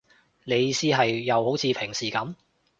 你意思係，又好似平時噉